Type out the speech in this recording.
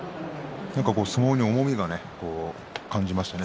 相撲に重みを感じましたね